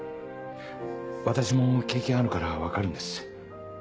私も経験あるから分かるんです。